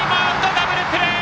ダブルプレー！